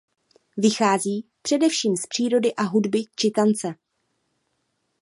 Vychází především z přírody a hudby či tance.